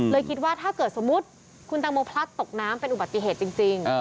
คิดว่าถ้าเกิดสมมุติคุณตังโมพลัดตกน้ำเป็นอุบัติเหตุจริง